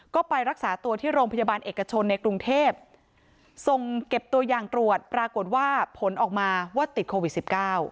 ก็ไปรักษาตัวที่โรงพยาบาลเอกชนในกรุงเทพส่งเก็บตัวอย่างตรวจปรากฏว่าผลออกมาว่าติดโควิดสิบเก้า